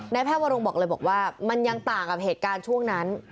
แพทย์วรงบอกเลยบอกว่ามันยังต่างกับเหตุการณ์ช่วงนั้น